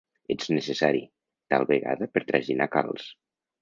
Ets necessari, tal vegada per traginar calç.